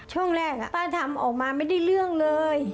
ช่วงแรกป้าทำออกมาไม่ได้เรื่องเลย